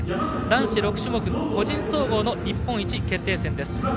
男子６種目、個人総合の日本一決定戦です。